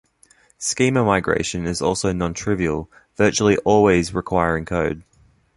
Schema migration is also non-trivial, virtually always requiring code.